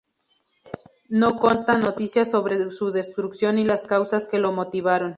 No constan noticias sobre su destrucción y las causas que lo motivaron.